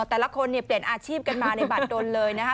แต่ละคนเนี่ยเปลี่ยนอาชีพกันมาในบัตรดนเลยนะคะ